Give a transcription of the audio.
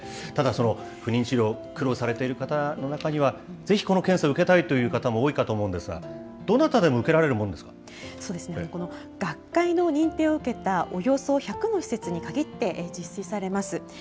ただ、その不妊治療、苦労されている方の中には、ぜひこの検査を受けたいという方も多いかと思うんですが、どなたでも受けられるこの学会の認定を受けたおよそ１００の施設に限って実施されます。